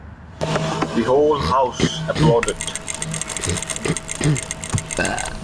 The whole house applauded.